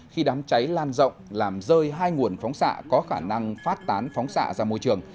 khi đám cháy lan rộng làm rơi hai nguồn phóng xạ có khả năng phát tán phóng xạ ra môi trường